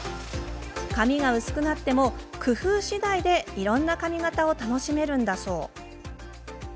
髪が薄くなっても工夫しだいでいろんな髪形を楽しめるんだそう。